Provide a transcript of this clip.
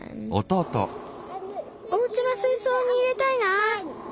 おうちのすいそうに入れたいな。